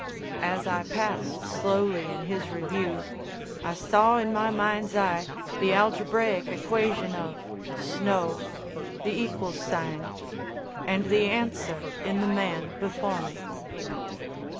As I passed slowly in his review, I saw in my mind's eye the algebraic equation of Snow, the equals sign, and the answer in the man before me.